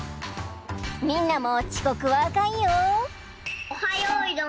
みんなもちこくはあかんよ。